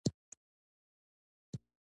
دوی هېڅ وخت د افغانستان سلطه نه وه منلې.